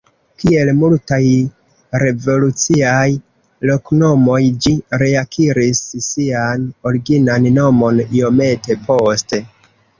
Kiel multaj revoluciaj loknomoj, ĝi reakiris sian originan nomon iomete poste.